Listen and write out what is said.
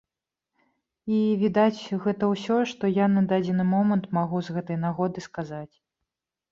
І, відаць, гэта ўсё, што я на дадзены момант магу з гэтай нагоды сказаць.